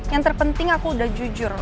yang terpenting aku udah jujur